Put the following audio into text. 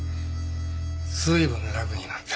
随分楽になった。